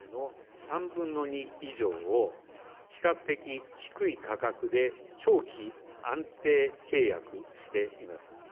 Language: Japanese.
３分の２以上を、比較的低い価格で長期安定契約しています。